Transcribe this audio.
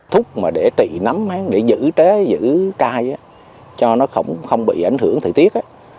thúc mà để trị nấm để giữ trái giữ cai cho nó không bị ảnh hưởng thời tiết